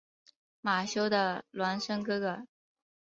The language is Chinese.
马修的孪生哥哥。